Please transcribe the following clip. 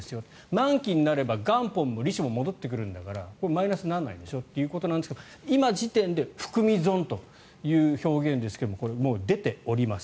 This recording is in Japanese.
満期になれば元本も利子も戻ってくるんだからこれはマイナスにならないでしょうということですが今時点で含み損という表現ですがもう出ております。